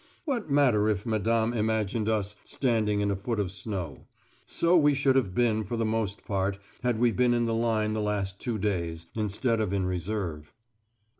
What matter if Madame imagined us standing in a foot of snow? So we should have been for the most part had we been in the line the last two days, instead of in reserve.